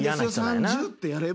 「３０」ってやれば。